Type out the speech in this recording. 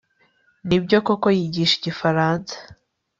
nibyo koko yigisha igifaransa